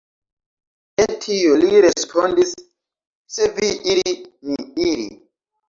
Je tio li respondis, Se vi iri, mi iri.